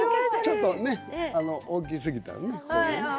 ちょっと上が大きすぎたね。